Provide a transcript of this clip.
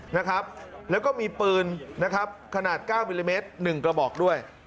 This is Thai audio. นะครับแล้วก็มีปืนนะครับขนาดเก้ามิลลิเมตรหนึ่งกระบอกด้วย